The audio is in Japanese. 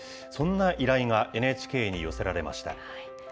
そんな依頼がＮＨＫに寄せられました。